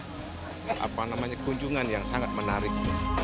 ini adalah kunjungan yang sangat menarik